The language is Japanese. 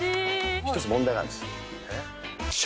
１つ問題があるんです。